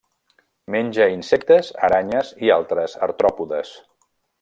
Menja insectes, aranyes i altres artròpodes.